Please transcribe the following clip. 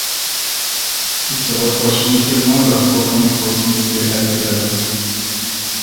Ils se reprochent mutuellement leur trop grande proximité avec les Allemands.